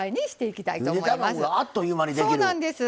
そうなんです。